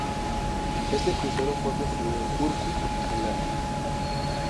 Este crucero fue construido en Turku, Finlandia.